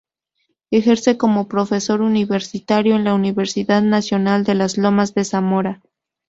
Ejerce como profesor universitario en la Universidad Nacional de Lomas de Zamora.